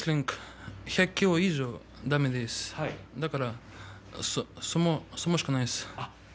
レスリングは１００ｋｇ以上はだめですだから相撲しかないです。